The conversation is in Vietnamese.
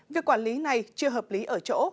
việc quản lý này chưa hợp lý ở chỗ